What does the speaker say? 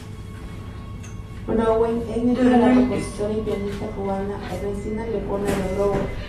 Brouwer es nieto de la compositora y pianista cubana Ernestina Lecuona de Brouwer.